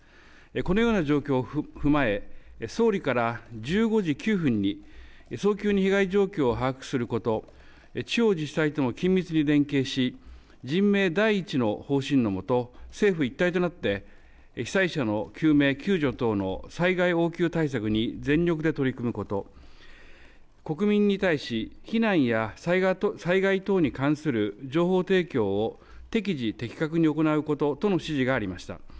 このような状況を踏まえ総理から１５時９分に早急に被害状況を把握すること、地方自治体と緊密に連携し人命第一の方針のもと政府一体となって被災者の救命救助等の災害応急対策に全力で取り組むこと、国民に対し避難や災害等に関する情報提供を適時的確に行うこととの指示がありました。